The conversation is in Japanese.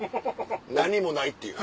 何もないっていう。